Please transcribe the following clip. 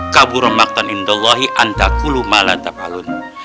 qaburun maktan inda allahi anta'kulu ma'la ta'falun